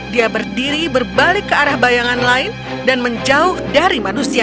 dia berdiri berbalik ke arah bayangan lain dan menjauh dari manusia